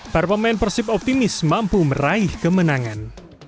para pemain persib optimis mampu meraih kemenangan